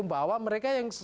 bahwa mereka yang